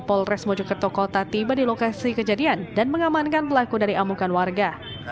polres mojokerto kota tiba di lokasi kejadian dan mengamankan pelaku dari amukan warga